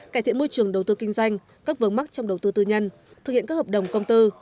cải thiện môi trường đầu tư kinh doanh các vướng mắc trong đầu tư tư nhân thực hiện các hợp đồng công tư